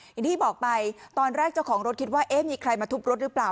อย่างที่บอกไปตอนแรกเจ้าของรถคิดว่าเอ๊ะมีใครมาทุบรถหรือเปล่า